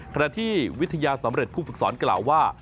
ขณะที่วิทยาสำเร็จผู้ฝึกสอนกล่าวว่า